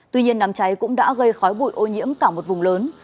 tuy nhiên đám cháy cũng đã gây khói bụi ô nhiễm cả một vùng lớn